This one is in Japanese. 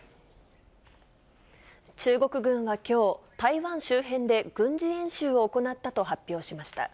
中国軍はきょう、台湾周辺で軍事演習を行ったと発表しました。